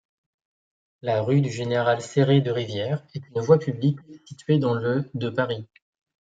La rue du Général-Séré-de-Rivières est une voie publique située dans le de Paris.